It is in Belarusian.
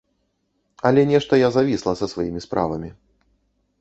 Але нешта я завісла са сваімі справамі.